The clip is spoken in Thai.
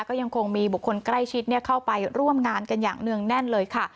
ก็ยังคงมีบุคคลใกล้ชิดเข้าไปร่วมงานกันอย่างเนื่องแน่นเลยค่ะ